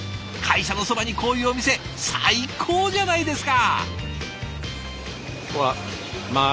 会社のそばにこういうお店最高じゃないですか！